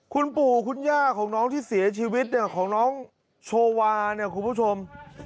คุณปู่คุณย่าของน้องที่เสียชีวิตเนี่ยของน้องโชวาเนี่ยคุณผู้ชม